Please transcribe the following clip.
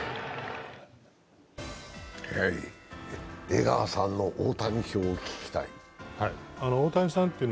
江川さんの大谷評を聞きたい。